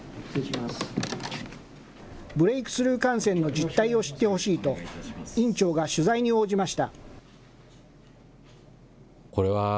ブレイクスルー感染の実態を知ってほしいと、院長が取材に応じました。